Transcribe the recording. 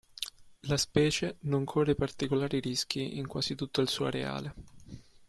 La specie non corre particolari rischi in quasi tutto il suo areale.